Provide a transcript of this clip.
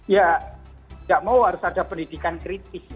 ya tidak mau harus ada pendidikan kritis